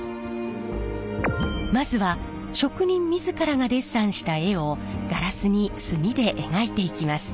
まずは職人自らがデッサンした絵をガラスに墨で描いていきます。